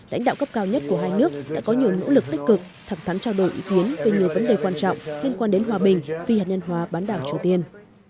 lãnh đạo cấp cao nhất của hai nước đã có nhiều nỗ lực tích cực thẳng thắn trao đổi ý kiến về nhiều vấn đề quan trọng liên quan đến hòa bình phi hạt nhân hóa bán đảo triều tiên